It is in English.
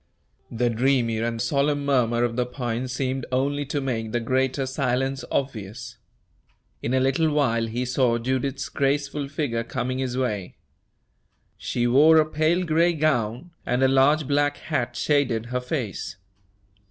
The dreamy and solemn murmur of the pines seemed only to make the greater silence obvious. In a little while he saw Judith's graceful figure coming his way. She wore a pale gray gown, and a large black hat shaded her face.